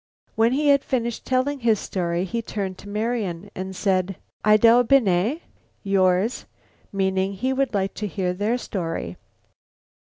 When he had finished telling his story he turned to Marian and said: "Idel bene?" (yours) meaning he would like to hear their story.